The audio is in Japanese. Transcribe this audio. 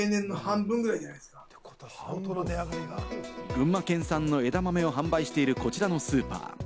群馬県産の枝豆を販売している、こちらのスーパー。